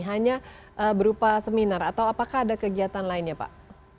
hanya berupa seminar atau apakah ada kegiatan lainnya pak